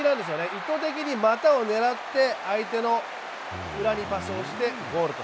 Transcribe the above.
意図的に股を抜いて、相手の裏にパスをしてゴールと。